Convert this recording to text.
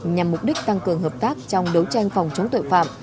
nhằm mục đích tăng cường hợp tác trong đấu tranh phòng chống tội phạm